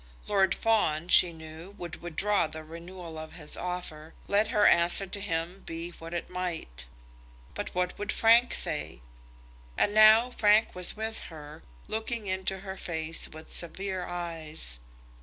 Lord Fawn, she knew, would withdraw the renewal of his offer, let her answer to him be what it might. But what would Frank say? And now Frank was with her, looking into her face with severe eyes.